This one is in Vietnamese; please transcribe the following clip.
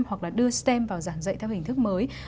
hoặc là đưa stem vào giảng dạy theo hình thức mới